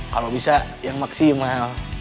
kalau bisa yang maksimal